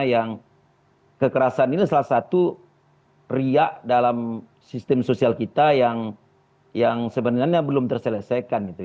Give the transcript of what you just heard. yang kekerasan ini salah satu riak dalam sistem sosial kita yang sebenarnya belum terselesaikan gitu